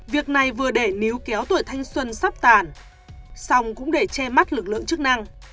việc này vừa để níu kéo tuổi thanh xuân sắp tàn xong cũng để che mắt lực lượng chức năng